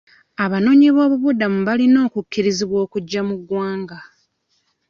Abanoonyiboobubudamu balina okukkirizibwa okujja mu ggwanga.